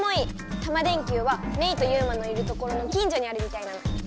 タマ電Ｑはメイとユウマのいるところの近じょにあるみたいなの！